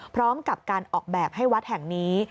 พร้อมกับการออกแบบให้วัดแห่งนี้